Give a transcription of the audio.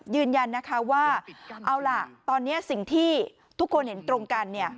ยืนยันนะคะว่าเอาล่ะตอนนี้สิ่งที่ทุกคนเห็นตรงกัน